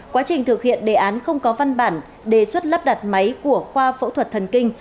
quá trình thực hiện đề án không có văn bản đề xuất lắp đặt máy của khoa phẫu thuật thần kinh